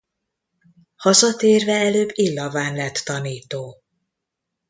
Hazatérve előbb Illaván lett tanító.